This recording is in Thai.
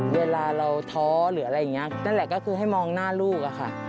เวลาเราท้อหรืออะไรอย่างนี้นั่นแหละก็คือให้มองหน้าลูกอะค่ะ